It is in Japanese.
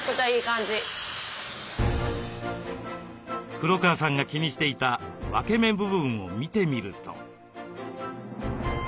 黒川さんが気にしていた分け目部分を見てみると。